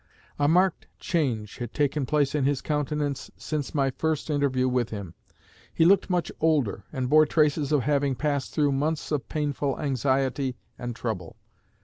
A marked change had taken place in his countenance since my first interview with him. He looked much older, and bore traces of having passed through months of painful anxiety and trouble.